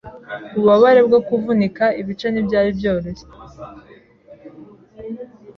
Ububabare bwo kuvunika ibice ntibyari byoroshye.